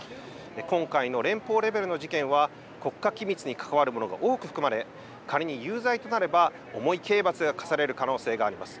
今回の連邦レベルの事件は、国家機密に関わるものが多く含まれ、仮に有罪となれば重い刑罰が科される可能性があります。